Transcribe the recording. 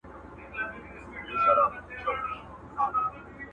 او پر خره باندي یې پیل کړل ګوزارونه!!